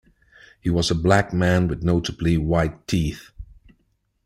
He was a black man with notably white teeth.